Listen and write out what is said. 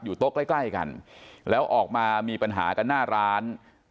โต๊ะใกล้ใกล้กันแล้วออกมามีปัญหากันหน้าร้าน